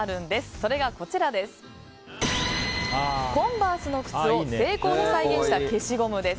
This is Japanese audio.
それが、コンバースの靴を精巧に再現した消しゴムです。